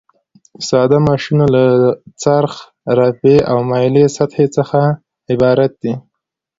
ساده ماشینونه له څرخ، رافعې او مایلې سطحې څخه عبارت دي.